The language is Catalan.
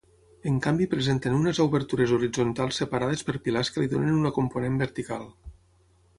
En canvi presenten unes obertures horitzontals separades per pilars que li donen una component vertical.